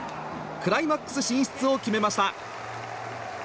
クライマックス進出を決めました。